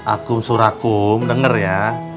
akum surakum denger ya